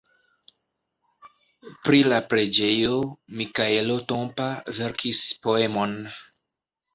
Pri la preĝejo Mikaelo Tompa verkis poemon.